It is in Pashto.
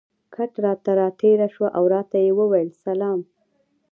کټ ته را تېره شوه او راته یې وویل: سلام.